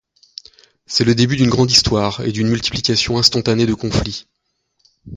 C'est le début d'une grande histoire et d'une multiplication instantanée de conflits.